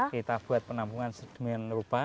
kita buat penampungan sedemikian rupa